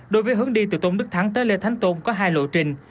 đối với hướng đi từ tôn đức thắng tới lê thánh tôn có hai lộ trình